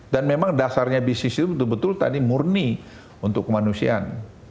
dan memang dasarnya bisnis itu betul betul tadi murni untuk kemanusiaan